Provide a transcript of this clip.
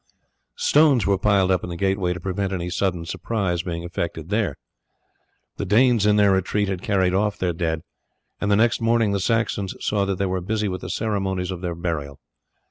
Stones were piled up in the gateway to prevent any sudden surprise being effected there. The Danes in their retreat had carried off their dead, and the next morning the Saxons saw that they were busy with the ceremonies of their burial.